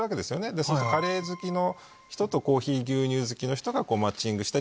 でカレー好きの人とコーヒー牛乳好きの人が。